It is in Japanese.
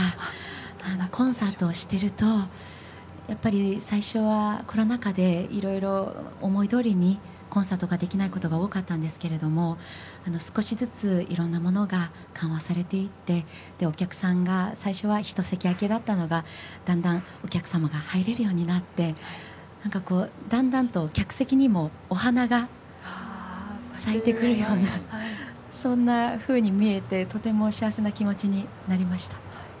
コンサートをしてるとやっぱり最初はコロナ禍でいろいろ思いどおりにコンサートができないことが多かったんですけれども少しずついろんなものが緩和されていって、お客さんが最初は一席空けだったのがだんだんお客様が入れるようになってだんだんと客席にも、お花が咲いてくるようなそんなふうに見えてとても幸せな気持ちになりました。